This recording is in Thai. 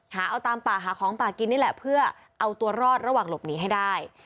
หาเอาตามป่าหาของป่ากินนี่แหละเพื่อเอาตัวรอดระหว่างหลบหนีให้ได้